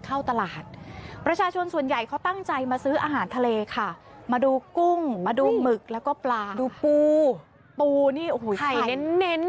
ใครเน้น